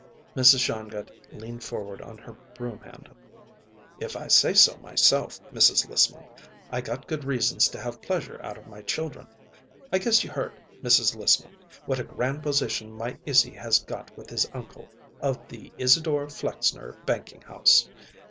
Mrs. Shongut leaned forward on her broom handle. "If I say so myself, Mrs. Lissman, I got good reasons to have pleasure out of my children. I guess you heard, Mrs. Lissman, what a grand position my Izzy has got with his uncle, of the Isadore Flexner Banking house.